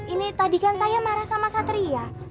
ini tadi kan saya marah sama satri ya